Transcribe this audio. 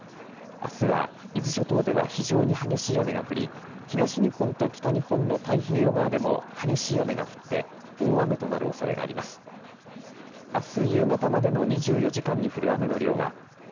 あすは伊豆諸島では非常に激しい雨が降り東日本と北日本の太平洋側でも激しい雨が降って大雨となるおそれがあります。